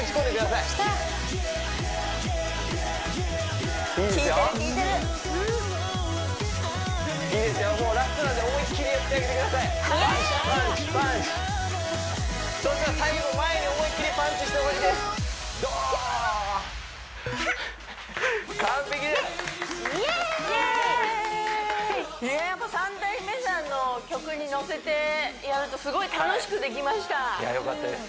いややっぱ三代目さんの曲に乗せてやるとすごい楽しくできましたいやよかったです